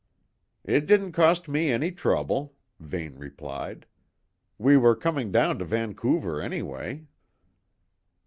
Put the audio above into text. "It didn't cost me any trouble," Vane replied. "We were coming down to Vancouver, anyway."